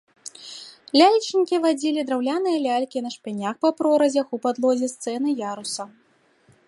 Лялечнікі вадзілі драўляныя лялькі на шпянях па проразях у падлозе сцэны-яруса.